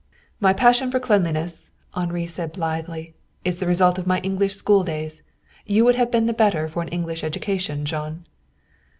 "My passion for cleanliness," Henri said blithely, "is the result of my English school days. You would have been the better for an English education, Jean."